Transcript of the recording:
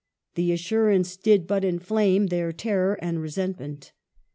The assurance did but inflame their terror and resentment.